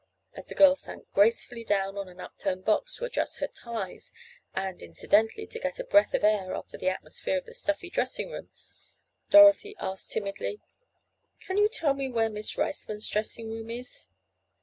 As the girl sank gracefully down on an upturned box to adjust her ties, and, incidentally, to get a breath of air after the atmosphere of the stuffy dressing room, Dorothy asked timidly: "Can you tell me where Miss Riceman's dressing room is?"